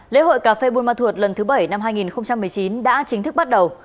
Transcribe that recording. lễ hội cà phê buôn ma thuột lần thứ bảy năm hai nghìn một mươi chín đã chính thức bắt đầu